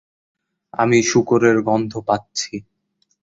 আমি শুকরের গন্ধ পাচ্ছি।